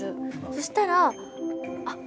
そしたらあっ！